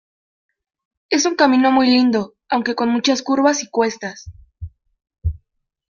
Es un camino muy lindo, aunque con muchas curvas y cuestas.